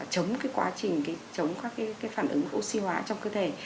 chống cái quá trình chống các cái phản ứng oxy hóa trong cơ thể